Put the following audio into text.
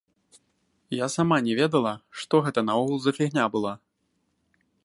Я сама не ведала, што гэта наогул за фігня была.